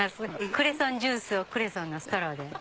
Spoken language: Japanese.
クレソンジュースをクレソンのストローで。